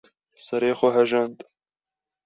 ‘’ serê xwe hejand.